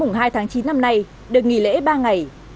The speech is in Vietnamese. mùng hai tháng chín năm nay được nghỉ lễ ba ngày